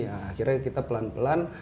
akhirnya kita pelan pelan